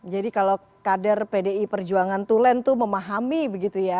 jadi kalau kader pdi perjuangan tulen tuh memahami begitu ya